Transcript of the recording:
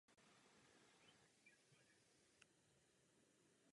Později došlo k dalším novějším úpravám.